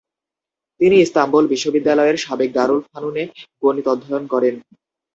তিনি ইস্তাম্বুল বিশ্ববিদ্যালয়ের সাবেক দারুল ফানুনে গণিত অধ্যয়ন করেন।